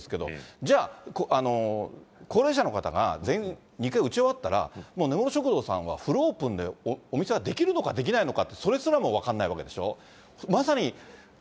じゃあ、高齢者の方が２回打ち終わったら、もう根室食堂さんはフルオープンでお店ができるのかできないのかって、それすらも分かんないわけでしょ？